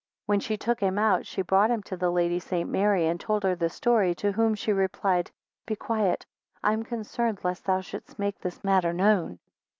8 When she took him out, she brought him to the Lady St. Mary, and told her the story, to whom she replied, Be quiet, I am concerned lest thou shouldest make this matter known.